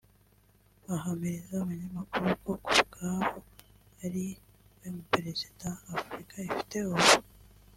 bahamiriza abanyamakuru ko ku bwabo ari we Perezida Afrika ifite ubu